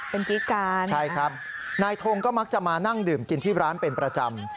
เป็นกิ๊กกันใช่ครับนายทงก็มักจะมานั่งดื่มกินที่ร้านเป็นประจำ